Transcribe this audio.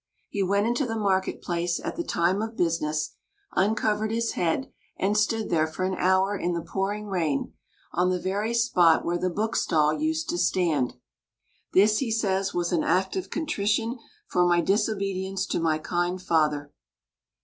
He went into the market place at the time of business, uncovered his head, and stood there for an hour in the pouring rain, on the very spot where the bookstall used to stand. "This," he says, "was an act of contrition for my disobedience to my kind father."